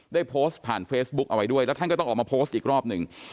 ได้โพสต์ผ่านเฟซบุ๊กเอาไว้ด้วยแล้วท่านก็ต้องออกมาโพสต์อีกรอบหนึ่ง